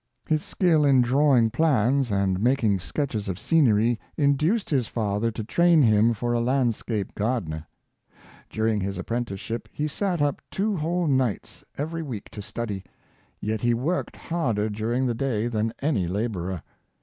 His skill in drawing plans and making sketches of scenery induced his father to train him for a landscape gardner. During his apprenticeship he sat up two whole nights every week to study ; yet he worked harder during the day than any laborer.